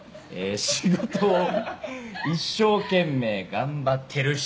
「仕事を一生懸命頑張ってる人」。